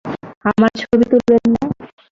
আমার ছবি তুলবেন না?